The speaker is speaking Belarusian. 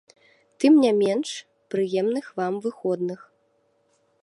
Тым не менш, прыемных вам выходных!